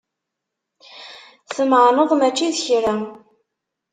Tmeεneḍ mačči d kra.